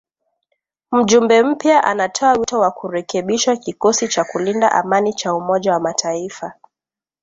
Mjumbe mpya anatoa wito wa kurekebishwa kikosi cha kulinda amani cha umoja wa mataifa